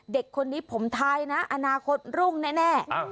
เด็กคนนี้ผมทายนะอนาคตรุ่งแน่